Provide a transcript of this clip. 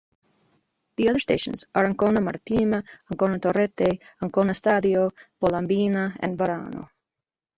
The other stations are Ancona Marittima, Ancona Torrette, Ancona Stadio, Palombina and Varano.